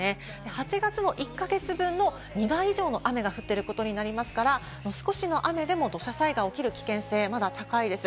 ８月の１か月分の２倍以上の雨が降っていることになりますから、少しの雨でも土砂災害が起きる危険性、まだ高いです。